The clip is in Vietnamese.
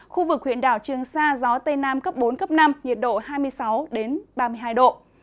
khu vực huyện đảo trường sa gió tây nam cấp bốn cấp năm nhiệt độ hai mươi sáu ba mươi hai độ